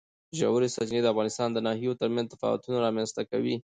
ژورې سرچینې د افغانستان د ناحیو ترمنځ تفاوتونه رامنځ ته کوي.